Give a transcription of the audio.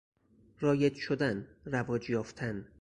رایج شدن، رواج یافتن